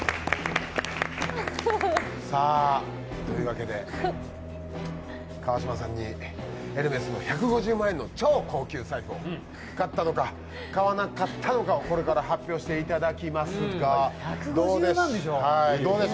というわけで川島さんにエルメスの１５０万円の超高級財布を買ったのか買わなかったのかをこれから発表していただきますがどうでしょうか